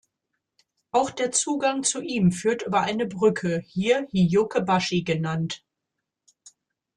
Auch der Zugang zu ihm führt über eine Brücke, hier "Hiyoke-bashi" genannt.